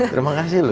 terima kasih loh